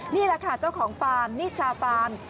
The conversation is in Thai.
นี่แหละค่ะเจ้าของฟาร์มนิชาฟาร์ม